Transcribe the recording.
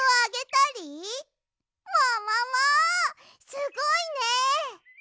すごいね！